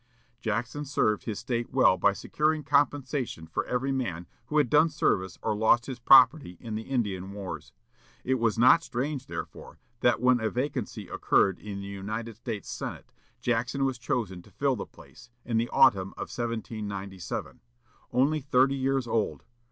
Jackson served his State well by securing compensation for every man who had done service or lost his property in the Indian wars. It was not strange, therefore, that, when a vacancy occurred in the United States Senate, Jackson was chosen to fill the place, in the autumn of 1797. Only thirty years old!